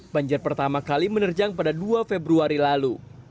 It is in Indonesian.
banjir pertama kali menerjang pada dua februari lalu